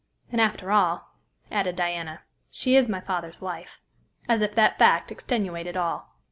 And after all," added Diana, "she is my father's wife," as if that fact extenuated all.